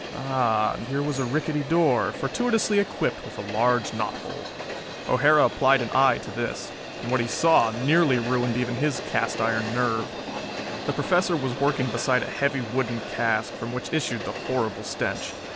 Ah, and here was a rickety door, fortuitously equipped with a large knot hole. O'Hara applied an eye to this and what he saw nearly ruined even his cast iron nerve. The Professor was working beside a heavy wooden cask, from which issued the horrible stench.